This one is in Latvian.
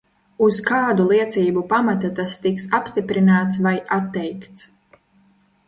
Uz kādu liecību pamata tas tiks apstiprināts vai atteikts?